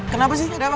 kenapa sih ada apa